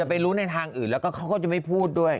แต่ไปรู้ในทางอื่นแล้วก็เขาก็จะไม่พูดด้วย